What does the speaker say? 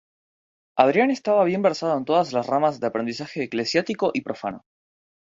Adrián estaba bien versado en todas las ramas de aprendizaje eclesiástico y profano.